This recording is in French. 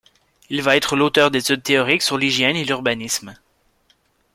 Il va être l'auteur d'études théoriques sur l'hygiène et l'urbanisme.